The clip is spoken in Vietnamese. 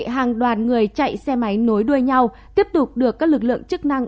hàng đoàn người chạy xe máy nối đuôi nhau tiếp tục được các lực lượng chức năng